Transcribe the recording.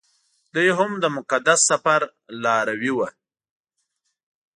دوی هم د مقدس سفر لاروي وو.